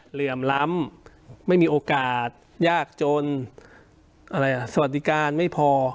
เหลื่อมล้ำไม่มีโอกาสยากจนอะไรอ่ะสวัสดิการไม่พอ